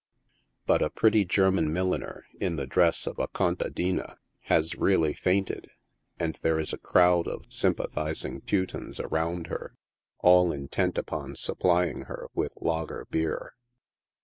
But a pretty German milliner, in the dress of a contadma, has really fainted, and there is a crowd of sympathizing Teutons around her, all intent upon supplying her with lager bier.